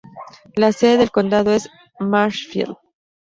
La sede del condado es Marshfield.